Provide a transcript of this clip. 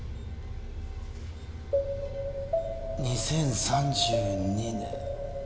２０３２年。